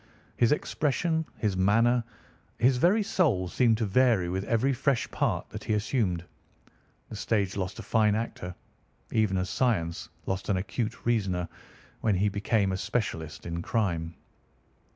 His expression, his manner, his very soul seemed to vary with every fresh part that he assumed. The stage lost a fine actor, even as science lost an acute reasoner, when he became a specialist in crime.